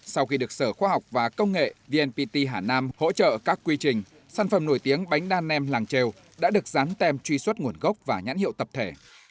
sau khi được sở khoa học và công nghệ vnpt hà nam hỗ trợ các quy trình sản phẩm nổi tiếng bánh đa nem làng trèo đã được dán tem truy xuất nguồn gốc và nhãn hiệu tập thể